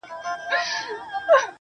• مينه مني ميني څه انكار نه كوي.